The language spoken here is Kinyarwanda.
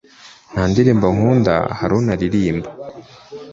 Nta ndirimbo nkunda Haruna aririmba